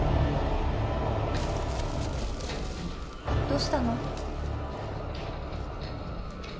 どうしたの？